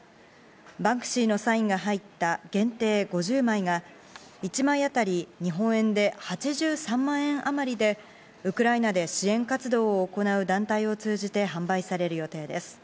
バンクシーのサインが入った限定５０枚が、１枚当たり日本円で８３万円余りで、ウクライナで支援活動を行う団体を通じて販売される予定です。